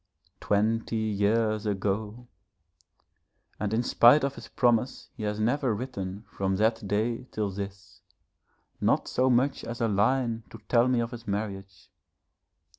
Twenty years ago! and in spite of his promise he has never written from that day till this, not so much as a line to tell me of his marriage.